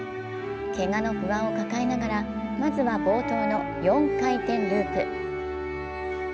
けがの不安を抱えながらまずは冒頭の４回転ループ。